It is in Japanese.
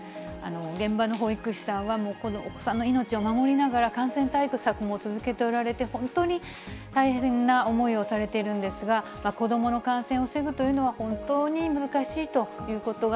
現場の保育士さんは、もうこのお子さんの命を守りながら、感染対策も続けておられて、本当に大変な思いをされているんですが、子どもの感染を防ぐというのは、本当に難しいということが、